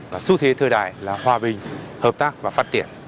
và xu thế thời đại là hòa bình hợp tác và phát triển